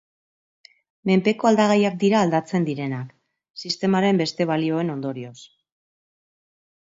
Menpeko aldagaiak dira aldatzen direnak, sistemaren beste balioen ondorioz.